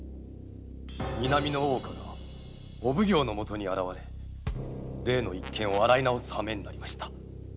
南の大岡がお奉行のもとに現れ例の一件を洗い直すはめになりました。